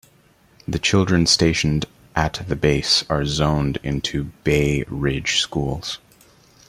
The children stationed at the base are zoned into Bay Ridge schools.